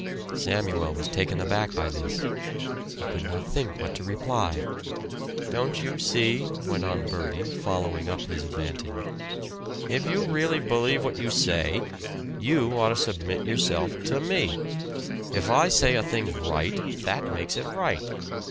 Samuel was taken aback by this. He could not think what to reply. "Don't you see?" went on Bertie, following up his advantage. "If you really believe what you say, you ought to submit yourself to me. If I say a thing's right, that makes it right.